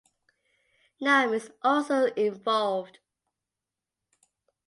Nam is also involved.